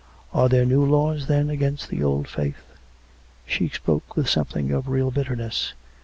Are there new laws, then, against the old faith? " She spoke with something of real bitterness.